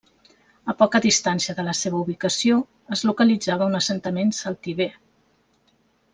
A poca distància de la seva ubicació, es localitzava un assentament celtiber.